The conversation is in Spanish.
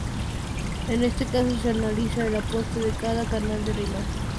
En este caso se analiza el aporte de cada canal a la imagen.